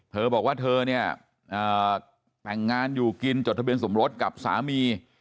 เธอบอกว่าเธอเนี่ยแต่งงานอยู่กินจดทะเบียนสมรสกับสามี